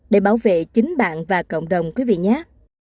để bảo vệ chính bạn và cộng đồng quý vị nhá